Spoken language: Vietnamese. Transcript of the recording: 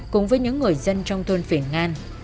cùng với những người dân trong thôn phiền ngan